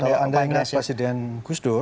oh iya kalau anda ingat presiden gusdur